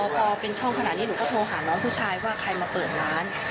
พอเป็นช่องขนาดนี้หนูก็โทรหาน้องผู้ชายว่าใครมาเปิดร้าน